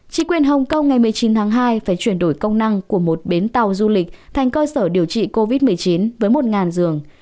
chỉ quyền hồng kông ngày một mươi chín tháng hai phải chuyển đổi công năng của một bến tàu du lịch thành cơ sở điều trị covid một mươi chín với một giường